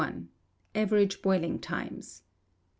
Average Boiling Times.